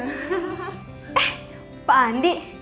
eh pak andi